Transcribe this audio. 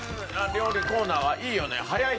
料理コーナーはいいよね早いからね。